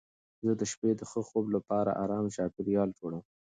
زه د شپې د ښه خوب لپاره ارام چاپېریال جوړوم.